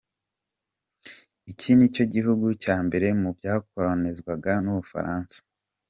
Iki nicyo gihugu cya mbere mu byakoronizwaga n’u Bufaransa.